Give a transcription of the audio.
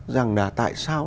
rằng là tại sao